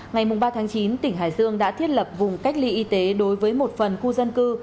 ngày ba chín tỉnh hải dương đã thiết lập vùng cách ly y tế đối với một phần khu dân cư